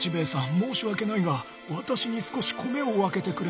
申し訳ないが私に少し米を分けてくれないか。